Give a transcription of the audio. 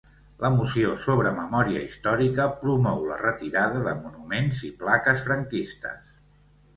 La moció sobre memòria històrica promou la retirada de monuments i plaques franquistes.